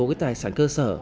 đối với một số tài sản cơ sở